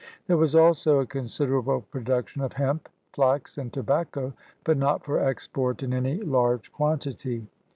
There was also a considerable production of hemp, flax, and tobacco, but not for export in any large quantity.